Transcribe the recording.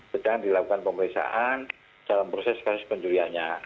sedang dilakukan pemeriksaan dalam proses kasus pencuriannya